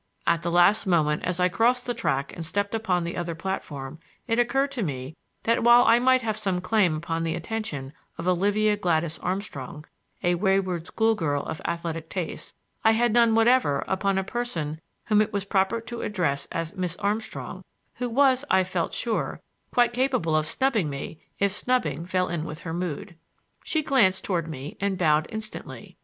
At the last moment, as I crossed the track and stepped upon the other platform, it occurred to me that while I might have some claim upon the attention of Olivia Gladys Armstrong, a wayward school girl of athletic tastes, I had none whatever upon a person whom it was proper to address as Miss Armstrong,—who was, I felt sure, quite capable of snubbing me if snubbing fell in with her mood. She glanced toward me and bowed instantly.